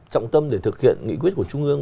trọng tâm để thực hiện nghị quyết của trung ương